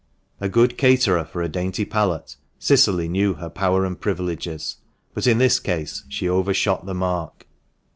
A good caterer for a dainty palate, Cicily knew her power and privileges, but in this case she overshot the mark.